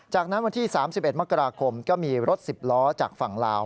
จากนั้นวันที่๓๑มกราคมก็มีรถ๑๐ล้อจากฝั่งลาว